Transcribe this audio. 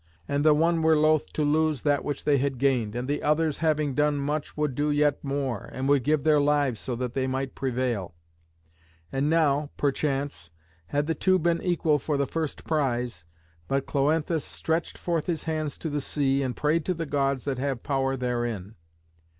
And the one were loath to lose that which they had gained, and the others having done much would do yet more, and would give their lives so that they might prevail. And now, perchance, had the two been equal for the first prize, but Cloanthus stretched forth his hands to the sea and prayed to the Gods that have power therein.